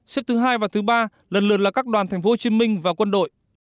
xếp thứ hai và thứ ba lần lượt là các đoàn tp hcm và quân đội